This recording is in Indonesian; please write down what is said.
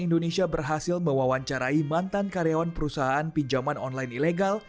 indonesia berhasil mewawancarai mantan karyawan perusahaan pinjaman online ilegal